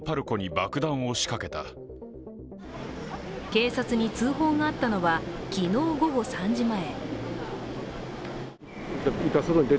警察に通報があったのは昨日午後３時前。